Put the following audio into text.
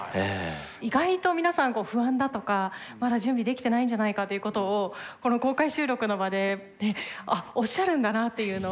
意外と皆さん不安だとかまだ準備できてないんじゃないかっていうことをこの公開収録の場でおっしゃるんだなっていうのを。